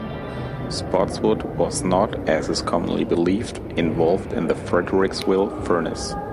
Spotswood was not, as is commonly believed, involved in the Fredericksville Furnace.